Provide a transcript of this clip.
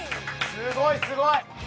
すごいすごい！